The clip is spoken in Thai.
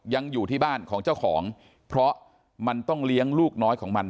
ยังอยู่ที่บ้านของเจ้าของเพราะมันต้องเลี้ยงลูกน้อยของมัน